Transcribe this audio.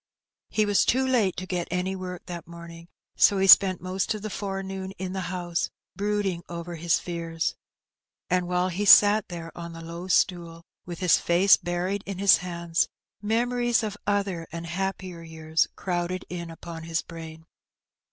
He was too late to get any work that morning, so he spent most of the forenoon in the house, brooding over his fears. And while he sat there on the low stool with his face buried in his hands, memories of other and happier years crowded in upon his brain.